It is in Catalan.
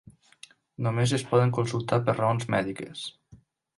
Només es poden consultar per raons mèdiques.